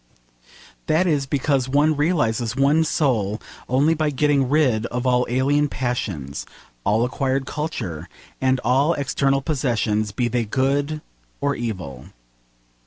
That is because one realises one's soul only by getting rid of all alien passions, all acquired culture, and all external possessions, be they good or evil.